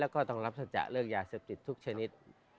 แล้วก็ต้องรับสัจจะเรื่องยาเสพติดทุกชนิด